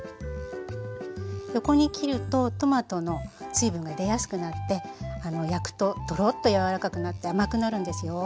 横に切るとトマトの水分が出やすくなって焼くとトロッとやわらかくなって甘くなるんですよ。